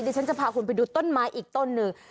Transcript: ฉันจะพาคุณไปดูต้นไม้อีกต้นหนึ่ง